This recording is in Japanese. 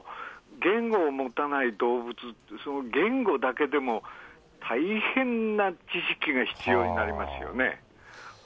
言語を持たない動物、その言語だけでも大変な知識が必要になりますよね。